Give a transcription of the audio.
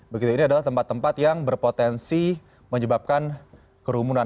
begitu ini adalah tempat tempat yang berpotensi menyebabkan kerumunan